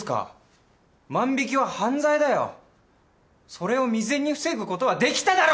それを未然に防ぐ事はできただろ！